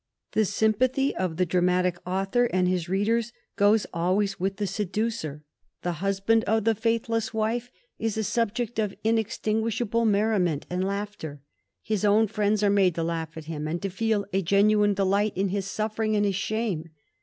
The sympathy of the dramatic author and his read ers goes always with the seducer. The husband of the 94 A HISTORY OF THS FOUR GEORGES. CH.zzni. faithless wife is a subject of inextinguishable merriment and4aughter. His own friends are made to laugh at him, and to feel a genuine delight in his suffering and his shame.